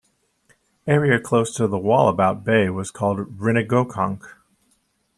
Area close to the Wallabout Bay was called Rinnegokonk.